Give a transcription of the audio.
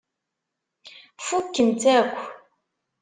Fukken-tt akk.